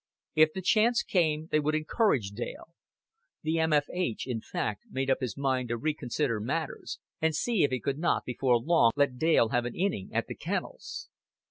If the chance came they would encourage Dale. The M.F.H. in fact made up his mind to reconsider matters, and see if he could not before long let Dale have an inning at the Kennels.